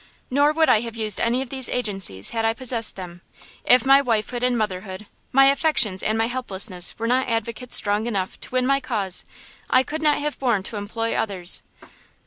"Nor would I have used any of these agencies had I possessed them! If my wifehood and motherhood, my affections and my helplessness were not advocates strong enough to win my cause, I could not have borne to employ others!"